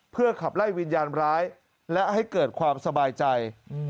เพื่อขับไล่วิญญาณร้ายและให้เกิดความสบายใจ